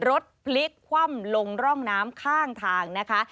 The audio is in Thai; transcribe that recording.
รถพลิกคว่ำลงร่องน้ำข้างทางนะคะ